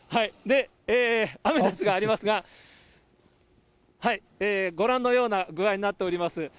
で、アメダスがありますが、ご覧のような具合になっております。